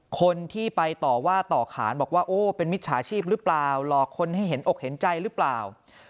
คนที่ไปต่อว่าต่อขานบอกว่าโอ้เป็นมิจฉาชีพหรือเปล่าหลอกคนให้เห็นอกเห็นใจหรือเปล่า